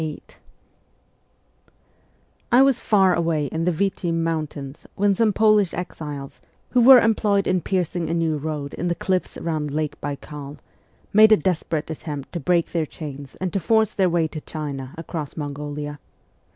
VIII I WAS far away in the Vitim mountains when some Polish exiles, who were employed in piercing a new road in the cliffs round Lake Baikal, made a desperate attempt to break their chains and to force their way to China across Mongolia.